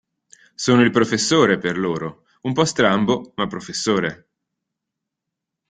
Sono il professore, per loro: un po' strambo, ma professore!